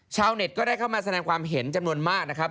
ชาวเน็ตก็ได้เข้ามาแสดงความเห็นจำนวนมากนะครับ